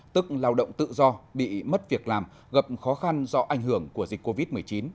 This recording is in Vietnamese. tức lao động tự do bị mất việc làm gặp khó khăn do ảnh hưởng của dịch covid một mươi chín